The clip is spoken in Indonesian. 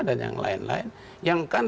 dan yang lain lain yang kan